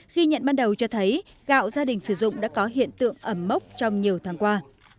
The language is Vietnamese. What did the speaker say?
khi nhận ban đầu cho thấy gạo gia đình sử dụng đã có hiện tượng ẩm mốc trong nhiều tháng qua